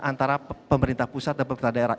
antara pemerintah pusat dan pemerintah daerah